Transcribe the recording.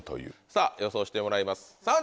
さぁ予想してもらいます。